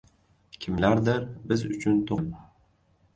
Kimlardir biz uchun to‘qidi irim.